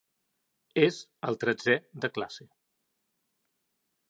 És el tretzè de classe.